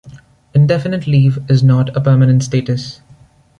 Indefinite leave is not a permanent status.